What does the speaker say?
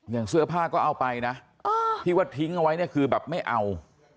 อย่างเสื้อผ้าก็เอาไปนะที่ว่าทิ้งเอาไว้เนี่ยคือแบบไม่เอา